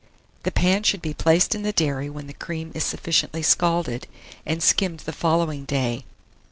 The pan should be placed in the dairy when the cream is sufficiently scalded, and skimmed the following day.